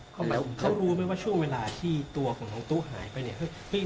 เค้ารู้ไหมว่าช่วงเวลาที่ตัวของน้องตู้หายไปเนี่ย